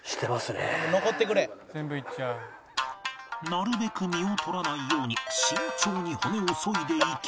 なるべく身を取らないように慎重に骨をそいでいき